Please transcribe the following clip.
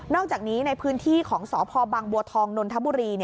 อกจากนี้ในพื้นที่ของสพบังบัวทองนนทบุรี